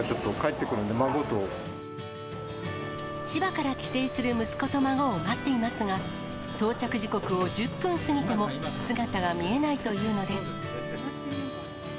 千葉から帰省する息子と孫を待っていますが、到着時刻を１０分過ぎても、姿が見えないというのです。